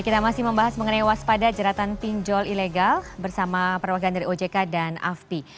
kita masih membahas mengenai waspada jeratan pinjol ilegal bersama perwakilan dari ojk dan afpi